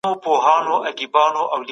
سیاستوالو د هیواد په ګټه کار کاوه.